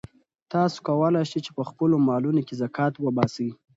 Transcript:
تاسو کولای شئ چې په خپلو مالونو کې زکات وباسئ.